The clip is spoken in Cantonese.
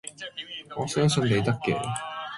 我相信你得嘅